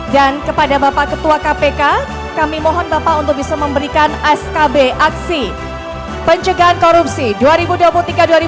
dan kepada bapak ketua kpk kami mohon bapak untuk bisa memberikan skb aksi pencegahan korupsi dua ribu dua puluh tiga dua ribu dua puluh empat kepada menteri perindustrian